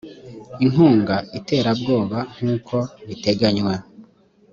inkunga iterabwoba nk uko biteganywa